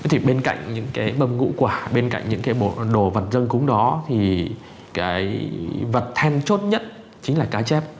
thì bên cạnh những cái bâm ngũ quả bên cạnh những cái đồ vật dân cúng đó thì cái vật then chốt nhất chính là cá chép